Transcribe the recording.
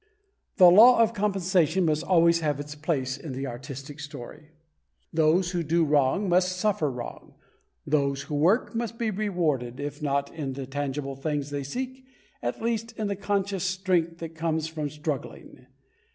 The law of compensation must always have its place in the artistic story. Those who do wrong must suffer wrong those who work must be rewarded, if not in the tangible things they seek, at least in the conscious strength that comes from struggling.